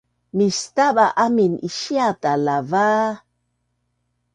Mistaba amin isiata lava